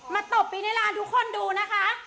ตบไปในร้านทุกคนดูนะคะ